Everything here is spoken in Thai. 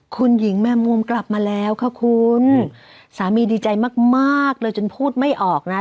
คุณหญิงแมวมุมกลับมาแล้วค่ะคุณสามีดีใจมากมากเลยจนพูดไม่ออกนะ